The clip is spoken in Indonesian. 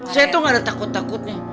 saya tuh gak ada takut takutnya